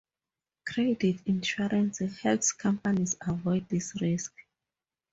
Credit insurance helps companies avoid this risk.